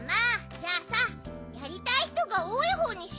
じゃあさやりたいひとがおおいほうにしようよ。